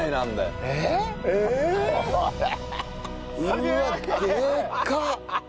うわっでかっ！